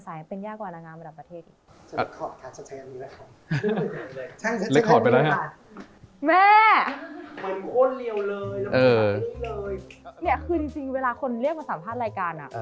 ไม่ได้แฟนคับเพิ่มเลยนะคะทุกครั้ง